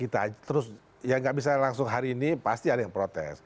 terus yang gak bisa langsung hari ini pasti ada yang protes